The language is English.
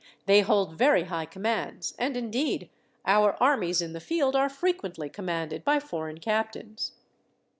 They hold very high commands, and, indeed, our armies in the field are frequently commanded by foreign captains."